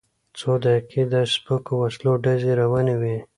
څو دقیقې د سپکو وسلو ډزې روانې وې.